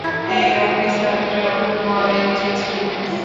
এই অফিসারটার মরাই উচিত ছিলো!